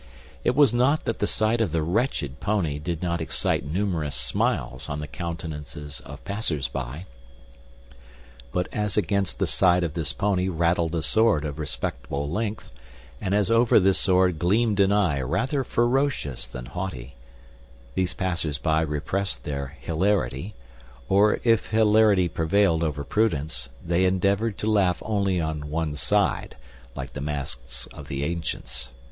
It was not that the sight of the wretched pony did not excite numerous smiles on the countenances of passers by; but as against the side of this pony rattled a sword of respectable length, and as over this sword gleamed an eye rather ferocious than haughty, these passers by repressed their hilarity, or if hilarity prevailed over prudence, they endeavored to laugh only on one side, like the masks of the ancients.